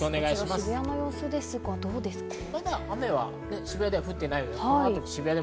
渋谷の様子ですがどうですか？